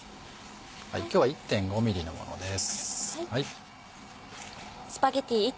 今日は１．５ｍｍのものです。